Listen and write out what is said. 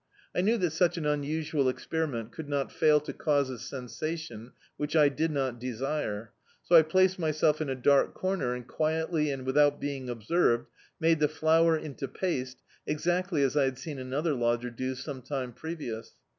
I knew that sudi an unusual experiment could not fail to cause a sensatitm which I did not desire, so I placed myself in a dark comer and quietly and without being observed, made the flour into paste, exactly as I had seen another lodger do some time previous.